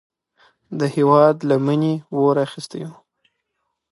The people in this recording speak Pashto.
د هیواد لمنې اور اخیستی و.